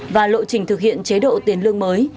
và lộ trình thực hiện chế độ tiền lương mới